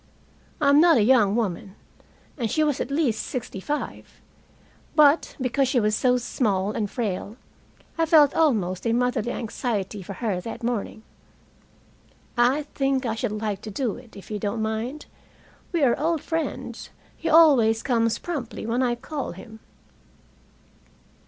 I am not a young woman, and she was at least sixty five. But, because she was so small and frail, I felt almost a motherly anxiety for her that morning. "I think I should like to do it, if you don't mind. We are old friends. He always comes promptly when I call him."